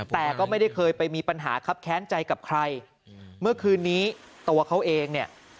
แต่ก็ไม่ได้เคยไปมีปัญหาครับแค้นใจกับใครเมื่อคืนนี้ตัวเขาเองเนี่ย